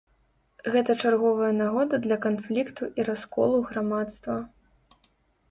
Гэта чарговая нагода для канфлікту і расколу грамадства.